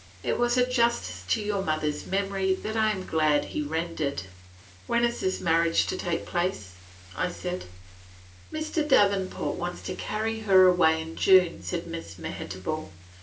It was a justice to your mother's memory that I am glad he rendered." And when is this marriage to take place?" said I. "Mr. Davenport wants to carry her away in June," said Miss Mehitable.